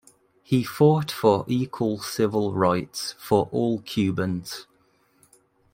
He fought for equal civil rights for all Cubans.